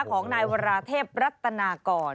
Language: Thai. ของนายวราเทพรัตนากร